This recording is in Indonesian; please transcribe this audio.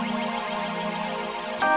membuat hidup iya berubah